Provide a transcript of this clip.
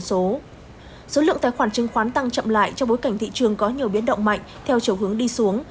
số lượng tài khoản chứng khoán tăng chậm lại trong bối cảnh thị trường có nhiều biến động mạnh theo chiều hướng đi xuống